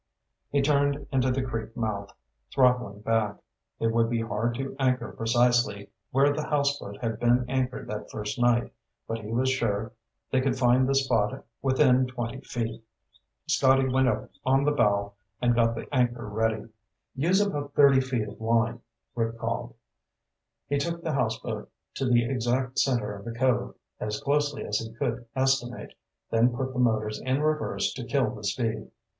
He turned into the creek mouth, throttling back. It would be hard to anchor precisely where the houseboat had been anchored that first night, but he was sure they could find the spot within twenty feet. Scotty went up on the bow and got the anchor ready. "Use about thirty feet of line," Rick called. He took the houseboat to the exact center of the cove, as closely as he could estimate, then put the motors in reverse to kill the speed.